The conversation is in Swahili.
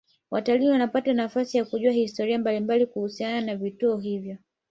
watalii wanapata nafasi ya kujua historia mbalimbali kuhusiana na vivutio hivyo